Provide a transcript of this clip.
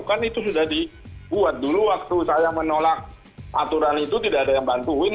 kan itu sudah dibuat dulu waktu saya menolak aturan itu tidak ada yang bantuin